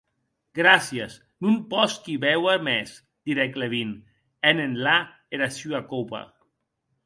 Gràcies; non posqui béuer mès, didec Levin hent enlà era sua copa.